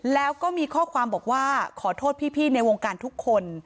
แล้วก็มีข้อความบอกว่าขอโทษพี่ในวงการทุกคน